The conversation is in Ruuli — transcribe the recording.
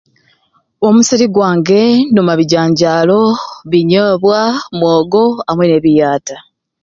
Omusiri gwange nduma bijanjaalo binyoobwa mwogo amwei ne biata.